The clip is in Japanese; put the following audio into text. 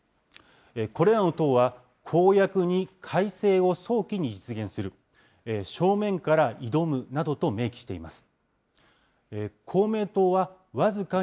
これらの党は、公約に改正を早期に実現する、正面から挑むなどと明記しています。